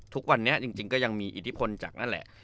ทุกวันนี้จริงก็ยังมีอิทธิพลจากนั่นแหละ